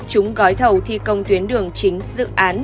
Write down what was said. chúng gói thầu thi công tuyến đường chính dự án